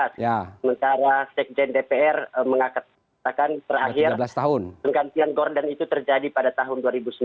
sementara sekjen dpr mengatakan terakhir penggantian gorden itu terjadi pada tahun dua ribu sembilan